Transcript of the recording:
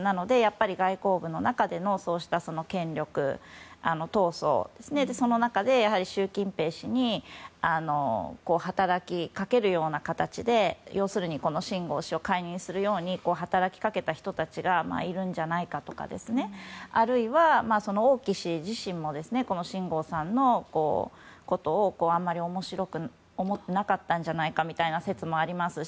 なので、外交部の中でのそうした権力闘争その中で習近平氏に働きかけるような形で要するに、このシン・ゴウ氏を解任するように働きかけた人たちがいるんじゃないかとかあるいは、王毅氏自身もシン・ゴウさんのことをあまり面白く思っていなかったんじゃないかみたいな説もありますし